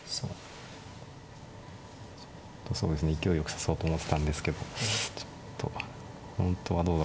ちょっとそうですね勢いよく指そうと思ってたんですけどちょっと本当はどうだったか。